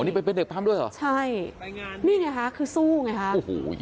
นี่ไปเป็นเด็กปั๊มด้วยเหรอใช่นี่ไงคะคือสู้ไงฮะโอ้โห